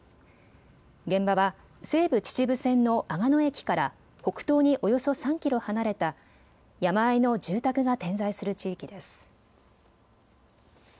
現場は西武秩父線の吾野駅から北東におよそ３キロ離れた山あいの住宅が点在する地域です。